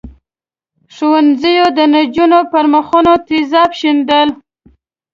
ښوونځیو د نجونو پر مخونو تېزاب شیندل.